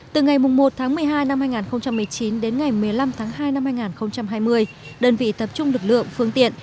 từ ngày một một mươi hai hai nghìn một mươi chín đến ngày một mươi năm hai hai nghìn hai mươi đơn vị tập trung lực lượng phương tiện